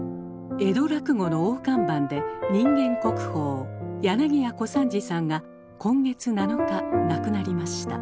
江戸落語の大看板で人間国宝柳家小三治さんが今月７日亡くなりました。